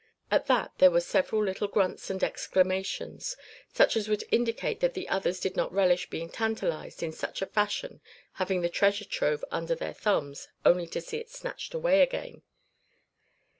At that there were several little grunts and exclamations, such as would indicate that the others did not relish being tantalized in such a fashion having the treasure trove under their thumbs, only to see it snatched away again.